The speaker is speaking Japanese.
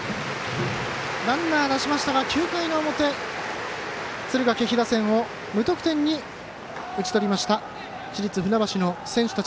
ランナー出しましたが９回表敦賀気比打線無得点に打ち取りました。